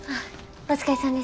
お疲れさんです。